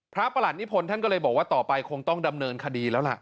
ประหลัดนิพลท่านก็เลยบอกว่าต่อไปคงต้องดำเนินคดีแล้วล่ะ